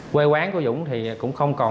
quê quán của dũng thì cũng không còn